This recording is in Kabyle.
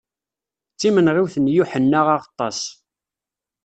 D timenɣiwt n Yuḥenna Aɣeṭṭas.